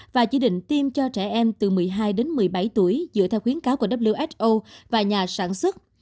và chỉ định tiêm cho trẻ em từ một mươi hai đến một mươi bảy tuổi dựa theo khuyến cáo của who và nhà sản xuất